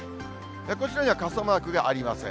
こちらには傘マークがありません。